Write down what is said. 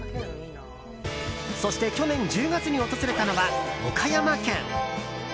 そして去年１０月に訪れたのは岡山県。